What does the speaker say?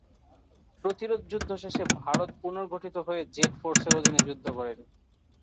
প্রতিরোধযুদ্ধ শেষে ভারতে পুনর্গঠিত হয়ে জেড ফোর্সের অধীনে যুদ্ধ করেন।